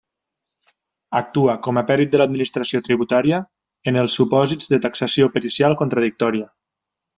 Actua com a pèrit de l'Administració tributària en els supòsits de taxació pericial contradictòria.